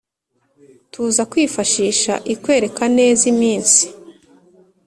tuza kwifashisha ikwereka neza iminsi